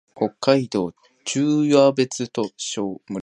北海道留夜別村